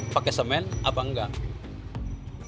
pakai semen apa enggak